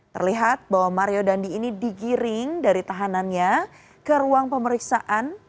terlihat bahwa mario dandi ini digiring dari tahanannya ke ruang pemeriksaan